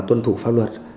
tuân thủ pháp luật